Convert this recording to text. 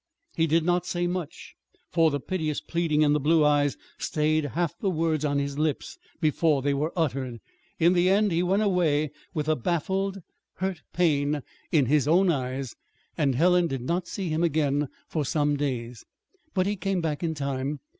He did not say much, for the piteous pleading in the blue eyes stayed half the words on his lips before they were uttered. In the end he went away with a baffled, hurt pain in his own eyes, and Helen did not see him again for some days. But he came back in time.